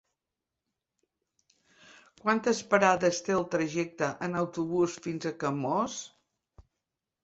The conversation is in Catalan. Quantes parades té el trajecte en autobús fins a Camós?